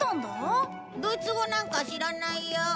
ドイツ語なんか知らないよ。